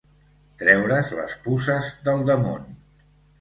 Treure's les puces del damunt.